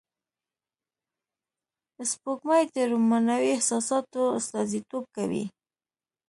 سپوږمۍ د رومانوی احساساتو استازیتوب کوي